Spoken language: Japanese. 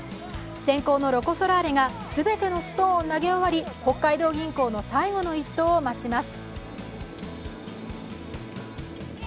先行のロコ・ソラーレが全てのストーンを投げ終わり北海道銀行の最後の一投を待ちます。